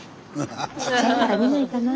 ちっちゃいなら見ないかな。